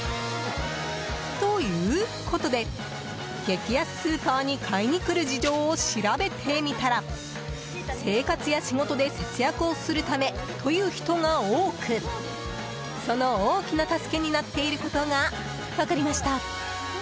ということで激安スーパーに買いに来る事情を調べてみたら生活や仕事で節約をするためという人が多くその大きな助けになっていることが分かりました。